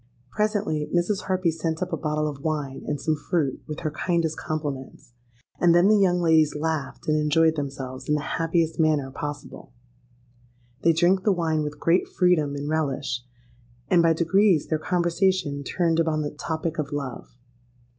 Presently Mrs. Harpy sent up a bottle of wine and some fruit, with her kindest compliments; and then the young ladies laughed and enjoyed themselves in the happiest manner possible. They drank the wine with great freedom and relish; and by degrees their conversation turned upon the topic of love.